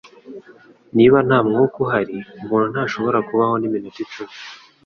Niba nta mwuka uhari, umuntu ntashobora kubaho niminota icumi.